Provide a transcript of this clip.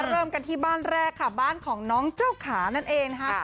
เริ่มกันที่บ้านแรกค่ะบ้านของน้องเจ้าขานั่นเองนะคะ